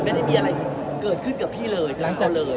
ไม่ได้มีอะไรเกิดขึ้นกับพี่เลยทั้งตัวเลย